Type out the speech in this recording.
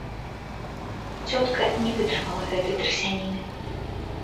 Цётка не вытрымала гэтай трасяніны.